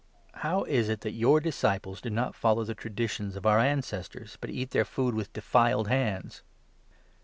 How is it that your disciples do not follow the traditions of our ancestors, but eat their food with defiled hands